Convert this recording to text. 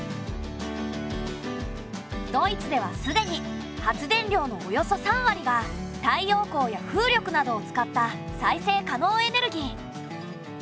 ドイツではすでに発電量のおよそ３割が太陽光や風力などを使った再生可能エネルギー。